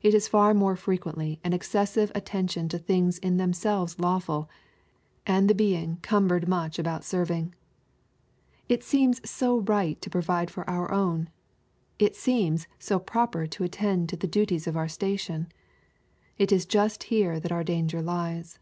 It is far more frequently an excessive attention to things in themselves lawful, and the being " cumbered abmt much serving." It seems so right to provide for our own I It seems so proper to attend to the duties of our station 1 It is just he^e that our danger lies.